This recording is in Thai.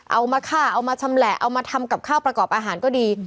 เอามาฆ่าเอามาชำแหละเอามาทำกับข้าวประกอบอาหารก็ดี